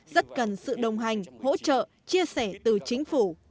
rất cần sự đồng hành hỗ trợ chia sẻ từ chính phủ